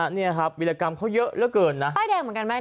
วิธีกรรมเยอะเยอะแบบเกิน